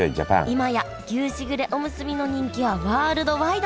今や牛しぐれおむすびの人気はワールドワイド！